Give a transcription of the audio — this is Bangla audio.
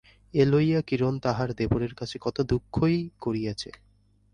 এ লইয়া কিরণ তাহার দেবরের কাছে কত দুঃখই করিয়াছে।